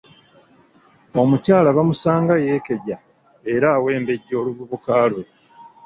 Omukyala bamusanga yeekeja era awembejja oluvubuka lwe.